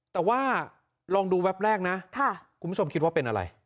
แต่ว่าลองดูแวบแรกนะคุณผู้ชมคิดว่าเป็นอะไร